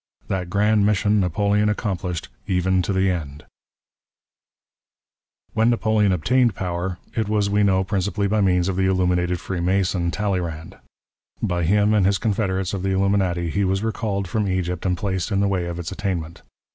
That grand mission Napoleon accomplished '• even to the end." NAPOLEON AND FREEMASONRY. 49 When Napoleon obtained power, it was we know principally by means of the Illuminated Freemason, Talleyrand/ By him and his confederates of the Illuminati, he was recalled from Egypt and placed in the way of its attainment.